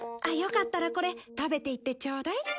よかったらこれ食べていってちょうだい。